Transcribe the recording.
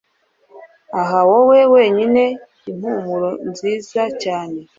Ah Wowe wenyine impumuro nziza cyane